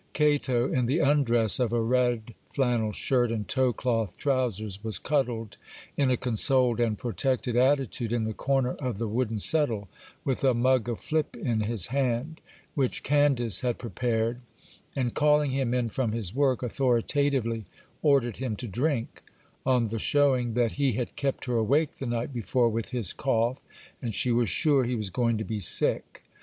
Cato, in the undress of a red flannel shirt and tow cloth trousers, was cuddled, in a consoled and protected attitude, in the corner of the wooden settle, with a mug of flip in his hand, which Candace had prepared, and, calling him in from his work, authoritatively ordered him to drink, on the showing that he had kept her awake the night before with his cough, and she was sure he was going to be sick.